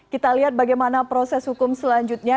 kita lihat bagaimana proses hukum selanjutnya